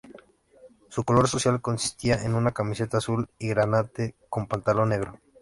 Su color social consistía en una camiseta azul y granate con pantalón negro.